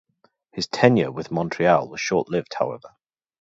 His tenure with Montreal was short-lived, however.